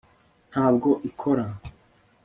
ntabwo ikora